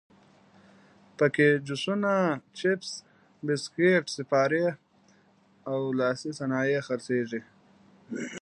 په کې جوسونه، چپس، بسکیټ، سیپارې او لاسي صنایع خرڅېږي.